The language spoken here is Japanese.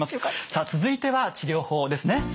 さあ続いては治療法ですね。